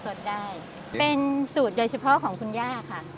เพราะสอดน้ำสดได้เป็นสูตรโดยเฉพาะของคุณย่าค่ะ